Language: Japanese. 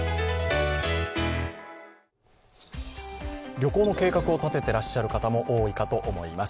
旅行の計画を立てていらっしゃる方も多いと思います。